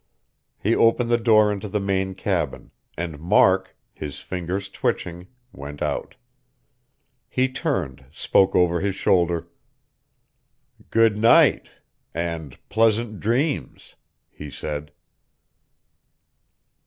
He opened the door into the main cabin; and Mark, his fingers twitching, went out. He turned, spoke over his shoulder. "Good night; and pleasant dreams," he said.